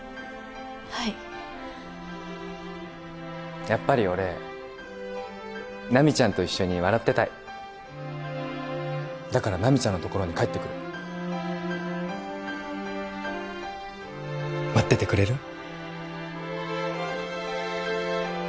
はいやっぱり俺奈未ちゃんと一緒に笑ってたいだから奈未ちゃんのところに帰ってくる待っててくれる？